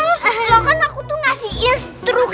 lo kan aku tuh ngasih instruksi